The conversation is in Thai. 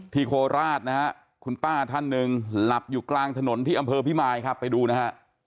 โคราชนะฮะคุณป้าท่านหนึ่งหลับอยู่กลางถนนที่อำเภอพิมายครับไปดูนะฮะ